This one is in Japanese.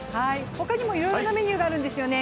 他にもいろいろなメニューがあるんですよね。